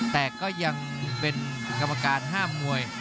แต่ก็ยังเป็นกรรมการห้ามมวย